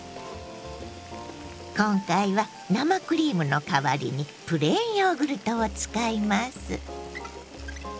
今回は生クリームのかわりにプレーンヨーグルトを使います。